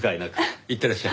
いってらっしゃい。